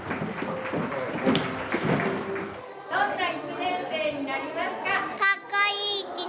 どんな１年生になりますか？